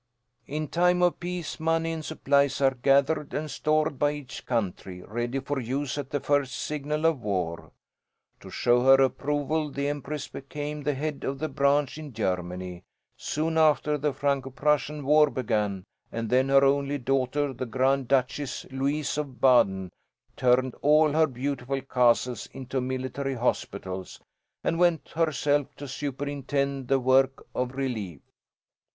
"In time of peace, money and supplies are gathered and stored by each country, ready for use at the first signal of war. To show her approval, the empress became the head of the branch in Germany. Soon after the Franco Prussian war began, and then her only daughter, the Grand Duchess Louise of Baden, turned all her beautiful castles into military hospitals, and went herself to superintend the work of relief.